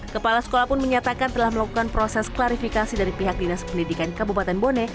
kepala sekolah pun menyatakan telah melakukan proses klarifikasi dari pihak dinas pendidikan kabupaten bone